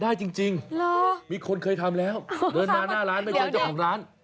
ได้จริงมีคนเคยทำแล้วเดินมาหน้าร้านไม่เจอเจ้าของร้าน